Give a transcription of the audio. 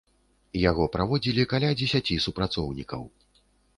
Яго праводзілі каля дзесяці супрацоўнікаў.